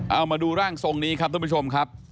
เอามาดูร่างทรงนี้ครับคุณผู้ชม